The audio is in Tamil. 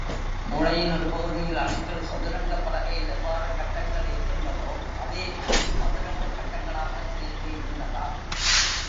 மூளையின் ஒரு பகுதியில் அணுக்கள், சதுரங்கப் பலகையில் எவ்வாறு கட்டங்கள் இருக்கின்றதோ அதேபோல் சதுரக் கட்டங்களாக சேர்ந்து இருந்ததாம்.